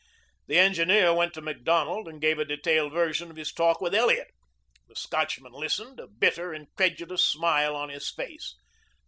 The engineer went to Macdonald and gave a deleted version of his talk with Elliot. The Scotchman listened, a bitter, incredulous smile on his face.